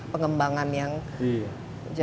pengembangan yang jauh